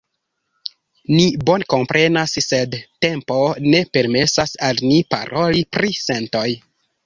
Ni bone komprenas, sed tempo ne permesas al ni paroli pri sentoj.